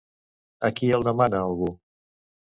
A qui el demana, algú?